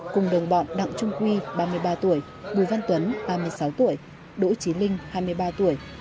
cùng đồng bọn đặng trung quy ba mươi ba tuổi bùi văn tuấn ba mươi sáu tuổi đỗ trí linh hai mươi ba tuổi